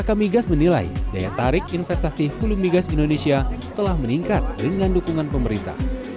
skk migas menilai daya tarik investasi bulu bigas indonesia telah meningkat dengan dukungan pemerintah